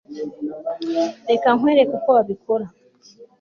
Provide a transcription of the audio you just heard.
reka nkwereke uko wabikora